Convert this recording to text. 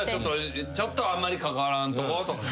ちょっとあんまり関わらんとこ。